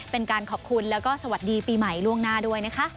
เป็นการขอบคุณแล้วก็สวัสดีปีใหม่ล่วงหน้าด้วยนะคะ